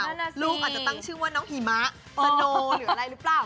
ลูกอาจจะตั้งชื่อว่าน้องหิมะสโนหรืออะไรหรือเปล่า